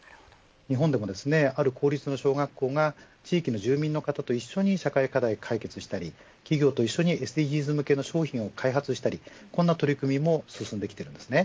日本でも、ある公立の小学校が地域の住民の方と一緒に社会課題を解決したり企業と一緒にＳＤＧｓ向けの商品を開発したりこんな取り組みも進んできています。